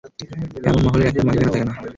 এমন মহলের একক, মালিকানা থাকে না।